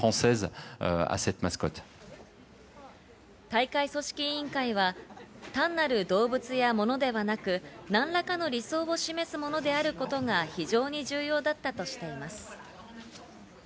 大会組織委員会は単なる動物や物ではなく、何らかの理想を示すものであることが非常に重要だったとしています。